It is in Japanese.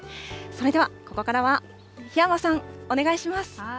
それではここからは檜山さん、お願いします。